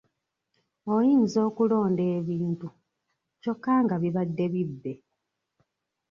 Oyinza okulonda ebintu, kyokka nga bibadde bibbe.